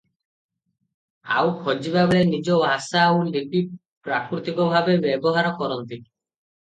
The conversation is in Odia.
ଆଉ ଖୋଜିବା ବେଳେ ନିଜ ଭାଷା ଆଉ ଲିପି ପ୍ରାକୃତିକ ଭାବେ ବ୍ୟବହାର କରନ୍ତି ।